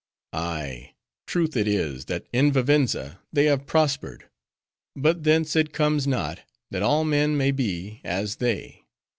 "Ay, truth it is, that in Vivenza they have prospered. But thence it comes not, that all men may be as they.